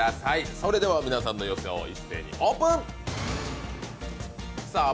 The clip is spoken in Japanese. それでは皆さんの予想一斉にオープン！